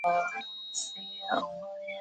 风胡子。